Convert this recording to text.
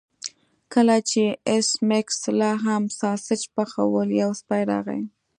کله چې ایس میکس لاهم ساسج پخول یو سپی راغی